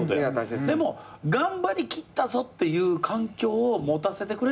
でも頑張りきったぞっていう環境を持たせてくれるかどうか。